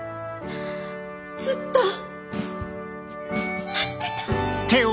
ずっと待ってた。